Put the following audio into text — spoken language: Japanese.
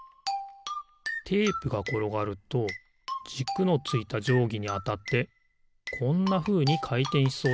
テープがころがるとじくのついたじょうぎにあたってこんなふうにかいてんしそうだな。